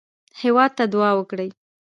هېواد ته دعا وکړئ